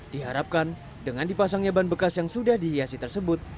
diharapkan dengan dipasangnya ban bekas yang sudah dihiasi tersebut